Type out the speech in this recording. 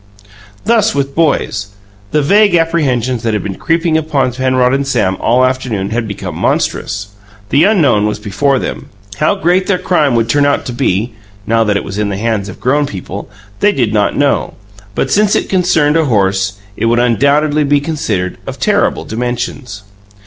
Thus with boys. The vague apprehensions that had been creeping upon Penrod and Sam all afternoon had become monstrous; the unknown was before them. How great their crime would turn out to be (now that it was in the hands of grown people) they did not know; but, since it concerned a horse, it would undoubtedly be considered of terrible dimensions.